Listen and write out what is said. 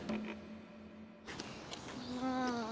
ああ。